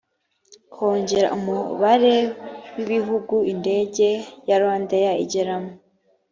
kongera umubare w ibihugu indege ya rwandair igeramo